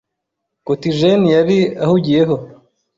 Kotigen yari ahugiyeho